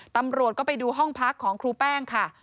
ตำรวจก็ไปดูห้องพักของครูแป้งค่ะ